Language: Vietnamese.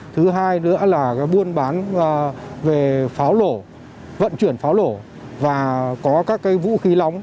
thứ hai nữa là buôn bán về pháo lổ vận chuyển pháo lổ và có các vũ khí nóng